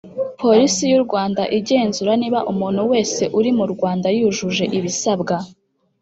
Polisi y u Rwanda igenzura niba umuntu wese uri mu Rwanda yujuje ibisabwa